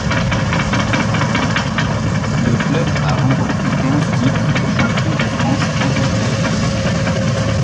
Le club a remporté quinze titres de champion de France interclubs.